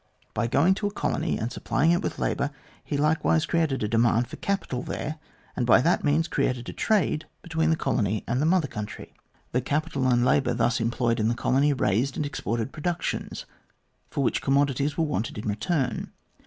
By going to a colony and supplying it with labour, he likewise created a demand for capital there, and by that means created a trade between the colony and the Mother Country. The capital A COUPLE OF COLONIAL LECTURES 263 and labour thus employed in the colony raised and exported productions, for which commodities were wanted in return.